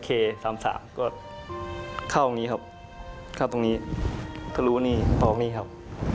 เข้าตรงนี้ครับเข้าตรงนี้ก็รู้ว่านี่ต่อตรงนี้ครับ